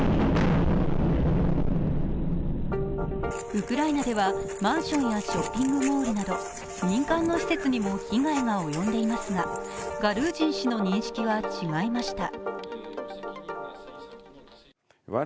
ウクライナではマンションやショッピングモールなど民間の施設にも被害が及んでいますがガルージン氏の認識は違いました。